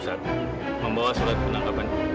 saya tidak menyesal bantuan perangkat ibu tari